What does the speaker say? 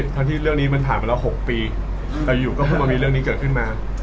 ทั้งที่เรื่องนี้มันผ่านมาแล้ว๖ปีแต่อยู่ก็เพิ่งมามีเรื่องนี้เกิดขึ้นมา